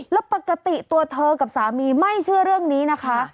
แล้วปกติตัวเธอกับสามีไม่เชื่อเรื่องนี้นะคะ